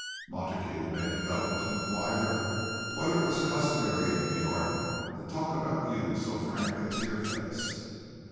(Montague made a note to inquire whether it was customary in New York to talk about you so frankly to your face.)